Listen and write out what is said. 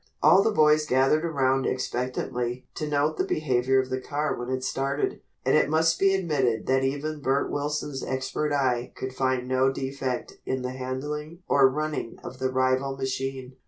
All the boys gathered around expectantly to note the behavior of the car when it started, and it must be admitted that even Bert Wilson's expert eye could find no defect in the handling or running of the rival machine.